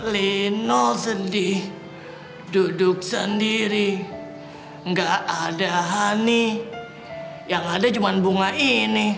leno sendiri duduk sendiri gak ada honey yang ada cuma bunga ini